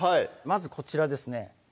まずこちらですね